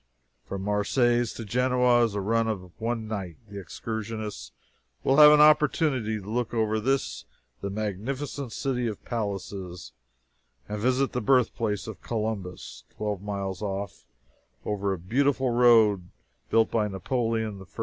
From Marseilles to Genoa is a run of one night. The excursionists will have an opportunity to look over this, the "magnificent city of palaces," and visit the birthplace of Columbus, twelve miles off, over a beautiful road built by Napoleon I.